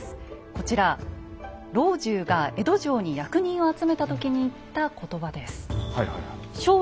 こちら老中が江戸城に役人を集めた時に言った言葉です。